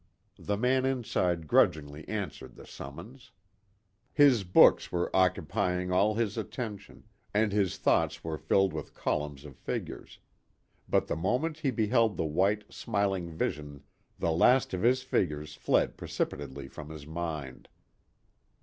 The man inside grudgingly answered the summons. His books were occupying all his attention, and his thoughts were filled with columns of figures. But the moment he beheld the white, smiling vision the last of his figures fled precipitately from his mind.